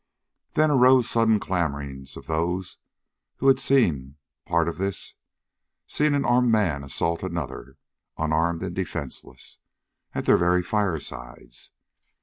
Then arose sudden clamorings of those who had seen part of this seen an armed man assault another, unarmed and defenseless, at their very firesides.